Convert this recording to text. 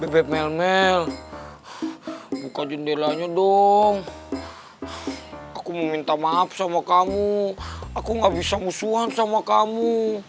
bebek melmel buka jendelanya dong aku minta maaf sama kamu aku nggak bisa musuhan sama kamu